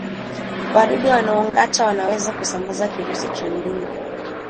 Wadudu wanaongata wanaweza kusambaza kirusi cha ndui